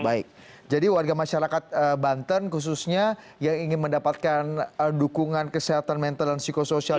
baik jadi warga masyarakat banten khususnya yang ingin mendapatkan dukungan kesehatan mental dan psikosoial